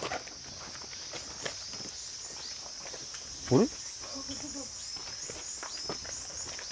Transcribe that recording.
あれ？